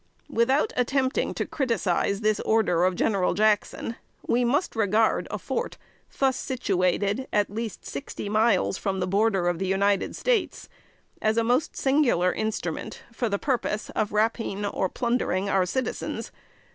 " Without attempting to criticise this order of General Jackson, we must regard a fort thus situated, at least sixty miles from the border of the United States, as a most singular instrument for the purpose of "rapine," or plundering our citizens.